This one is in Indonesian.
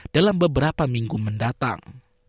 dalam beberapa minggu mendatang